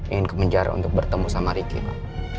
ingin kemenjar untuk bertemu sama ricky ma